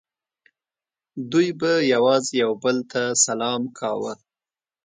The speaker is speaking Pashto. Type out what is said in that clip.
دوی به یوازې یو بل ته سلام کاوه